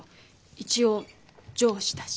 一応上司だし。